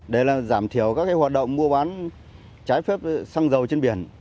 để giảm thiểu các hoạt động mua bán trái phép xăng dầu trên biển